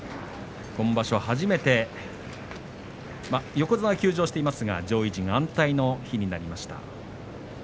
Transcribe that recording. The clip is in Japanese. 今場所、初めて横綱が休場していますが上位陣安泰の日になりました。